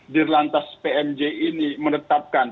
dir lantas pmj ini menetapkan